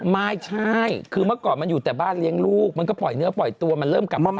ไม่ใช่คือเมื่อก่อนมันอยู่แต่บ้านเลี้ยงลูกมันก็ปล่อยเนื้อปล่อยตัวมันเริ่มกลับมาใหม่